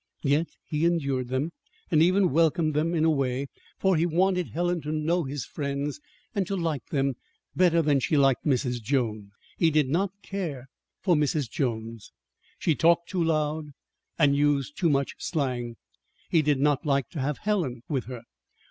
Yet he endured them, and even welcomed them, in a way; for he wanted Helen to know his friends, and to like them better than she liked Mrs. Jones. He did not care for Mrs. Jones. She talked too loud, and used too much slang. He did not like to have Helen with her.